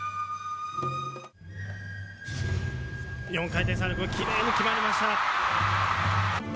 ４回転サルコー、きれいに決まりました。